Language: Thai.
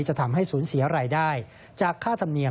จะทำให้สูญเสียรายได้จากค่าธรรมเนียม